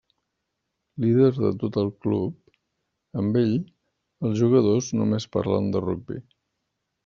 Líder de tot el club, amb ell, els jugadors només parlen de rugbi.